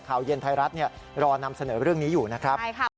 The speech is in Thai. ข่าวเย็นไทยรัฐรอนำเสนอเรื่องนี้อยู่นะครับ